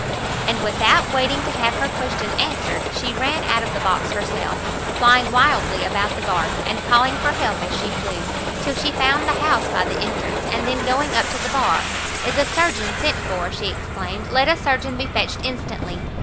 And without waiting to have her question answered, she ran out of the box herself, flying wildly about the garden, and calling for help as she flew, till she found the house by the entrance; and then, going up to the bar, "Is a surgeon sent for?" she exclaimed, "let a surgeon be fetched instantly!"